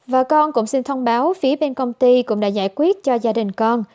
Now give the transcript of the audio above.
và con cũng xin thông báo phía bên công ty cũng đã giải quyết cho gia đình con